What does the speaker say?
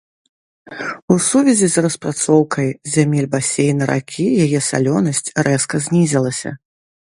У сувязі з распрацоўкай зямель басейна ракі яе салёнасць рэзка знізілася.